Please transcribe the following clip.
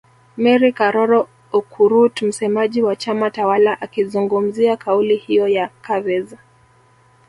Mary Karoro Okurut msemaji wa chama tawala akizungumzia kauli hiyo ya Chavez